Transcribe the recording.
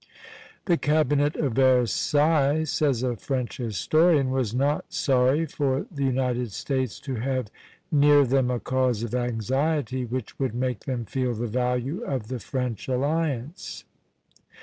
"The Cabinet of Versailles," says a French historian, "was not sorry for the United States to have near them a cause of anxiety, which would make them feel the value of the French alliance."